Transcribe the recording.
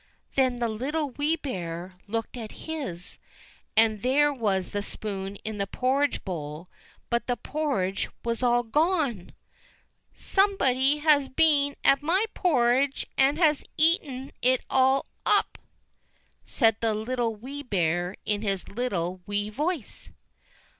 Then the Little Wee Bear looked at his, and there was the spoon in the porridge bowl, but the porridge was all gone !" SOMEBODY HAS BEEN AT MY PORRIDGE, AND HAS EATEN IT ALL UP 1 " said the Little Wee Bear in his little wee voice.